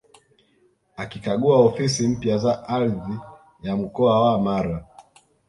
Akikagua ofisi mpya za Ardhi ya mkoa wa Mara